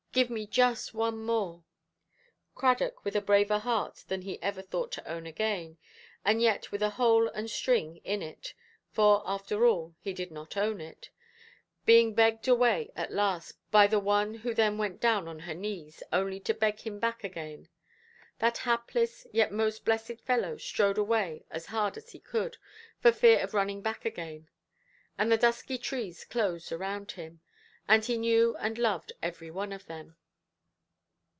Give me just one more". Cradock, with a braver heart than he ever thought to own again (and yet with a hole and a string in it, for, after all, he did not own it), being begged away at last by the one who then went down on her knees, only to beg him back again,—that hapless yet most blessed fellow strode away as hard as he could, for fear of running back again; and the dusky trees closed round him, and he knew and loved every one of them.